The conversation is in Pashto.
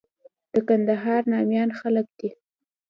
د کندهار ناميان خلک دي.